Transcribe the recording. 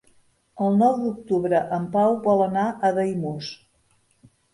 El nou d'octubre en Pau vol anar a Daimús.